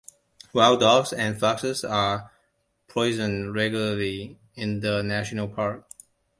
Wild dogs and foxes are poisoned regularly in the national park.